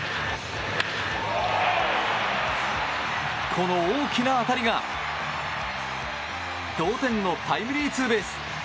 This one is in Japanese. この大きな当たりが同点のタイムリーツーベース！